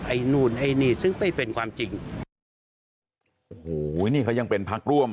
ไอ้นู่นไอ้นี่ซึ่งไม่เป็นความจริงโอ้โหนี่เขายังเป็นพักร่วม